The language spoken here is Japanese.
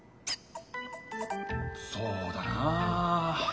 そうだな。